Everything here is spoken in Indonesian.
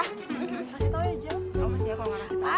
kasih tahu aja